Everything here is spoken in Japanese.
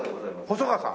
細川さん？